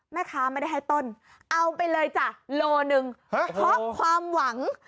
แม่ค้าไม่ได้ให้ต้นเอาไปเลยจ้ะโลหนึ่งเพราะความหวัง